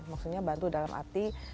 maksudnya bantu dalam arti